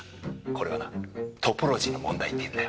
これはなトポロジーの問題っていうんだよ。